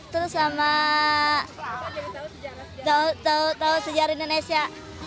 terus sama tahu sejarah indonesia